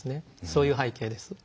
そういう背景です。